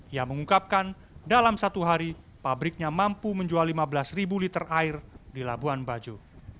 ia mengungkapkan dalam satu hari pabriknya mampu menjual lima belas liter air di labuan bajo